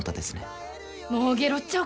もうゲロっちゃおうか。